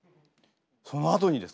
そのあとにですか？